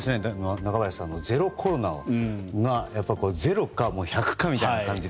中林さん、ゼロコロナから０か１００かみたいな感じで。